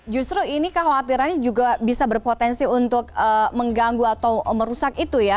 justru ini kekhawatirannya juga bisa berpotensi untuk mengganggu atau merusak itu ya